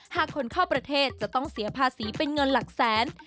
หากคนเข้าประเทศจะต้องเสียภาษีเป็นเงินหลักแสน